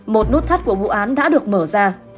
một nút thắt của vụ án đã được mở ra